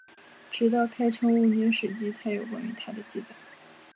直到开成五年史籍才有关于他的记载。